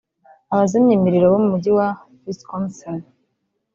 Abazimya imiriro bo mu mujyi wa Wisconsin